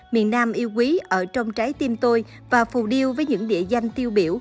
miền nam yêu quý ở trong trái tim tôi và phù điêu với những địa danh tiêu biểu